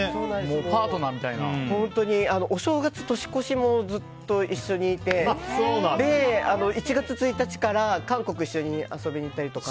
パートナーみたいな。お正月、年越しもずっと一緒にいて１月１日から韓国一緒に遊びに行ったりとか。